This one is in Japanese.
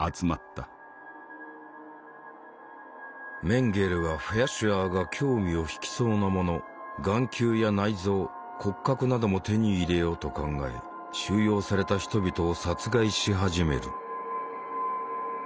メンゲレはフェアシュアーが興味を引きそうなもの眼球や内臓骨格なども手に入れようと考え収容された人々を殺害し始める。